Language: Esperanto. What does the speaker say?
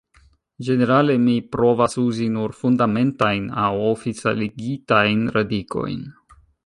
Ĝenerale mi provas uzi nur Fundamentajn aŭ oficialigitajn radikojn.